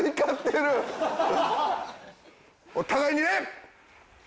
お互いに礼！